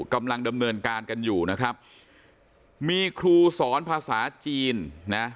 กำลังดำเนินการกันอยู่นะครับมีครูสอนภาษาจีนนะ